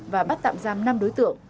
và bắt tạm giam năm đối tượng